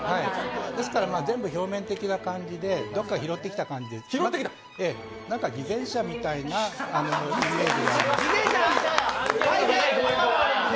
ですから全部表面的な感じで、どこかで拾ってきた感じで何か偽善者みたいなイメージ。